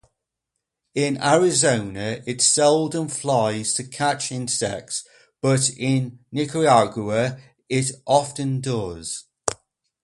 In Arizona it seldom flies to catch insects, but in Nicaragua it often does.